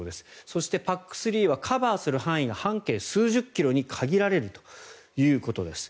そしてＰＡＣ３はカバーする範囲が半径数十キロに限られるということです。